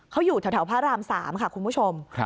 เขาอยู่แถวพระราม๓ค่ะคุณผู้ชม